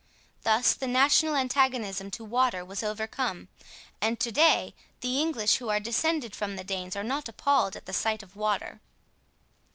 Thus the national antagonism to water was overcome, and to day the English who are descended from the Danes are not appalled at the sight of water.